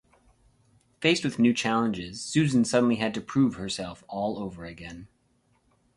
Faced with new challenges, Susan suddenly had to prove herself all over again.